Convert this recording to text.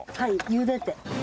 ゆでて。